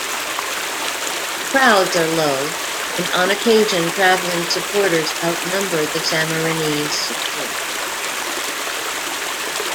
Crowds are low, and on occasion travelling supporters outnumber the Sammarinese support.